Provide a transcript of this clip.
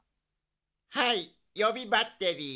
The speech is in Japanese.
はいよびバッテリー。